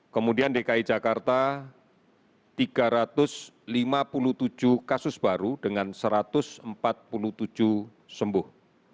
kemudian dki jakarta tiga ratus lima puluh tujuh kasus baru dengan satu ratus empat puluh tujuh sembuh